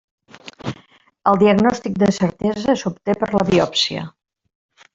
El diagnòstic de certesa s'obté per la biòpsia.